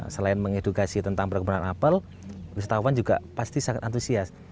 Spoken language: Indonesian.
selain mengedukasi tentang perkembangan apel wisatawan juga pasti sangat antusias